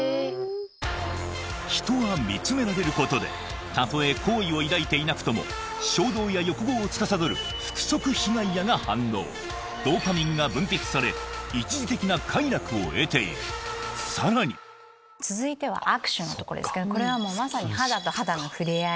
人は見つめられることでたとえ好意を抱いていなくとも衝動や欲望をつかさどる腹側被蓋野が反応ドーパミンが分泌され一時的な快楽を得ているさらに続いては握手のとこですけどまさに肌と肌の触れ合い。